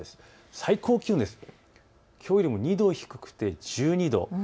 最高気温きょうよりも２度低くて１２度。